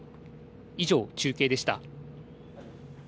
以上、中継でした。